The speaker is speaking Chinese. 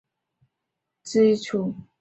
应课差饷租值是评估差饷的基础。